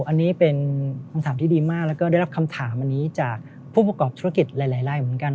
อันนี้เป็นคำถามที่ดีมากแล้วก็ได้รับคำถามอันนี้จากผู้ประกอบธุรกิจหลายเหมือนกัน